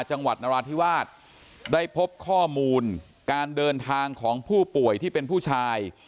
นราธิวาสได้พบข้อมูลการเดินทางของผู้ป่วยที่เป็นผู้ชาย